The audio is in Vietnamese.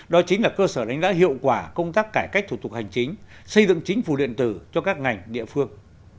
đó chính là cơ sở đánh giá hiệu quả công tác cải cách thủ tục hành chính xây dựng chính phủ điện tử cho các ngành địa phương